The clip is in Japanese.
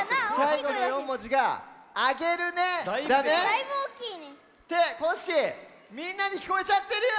だいぶおおきいね。ってコッシーみんなにきこえちゃってるよ！